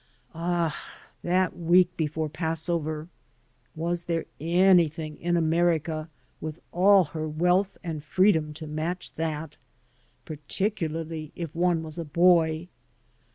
Ah, that week before the Passover! Was there anything in America with all her wealth and freedom to match that? Particularly if one was a boy.